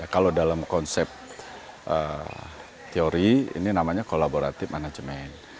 kalau dalam konsep teori ini namanya collaboratif manajemen